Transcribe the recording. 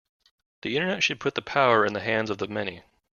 The Internet should put the power in the hands of the many.